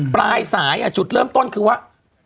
ปลายสายจุดเริ่มต้นคือว่า